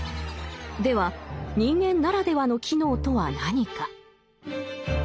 では人間ならではの機能とは何か？